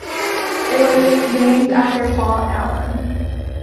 It was named after Paul Allen.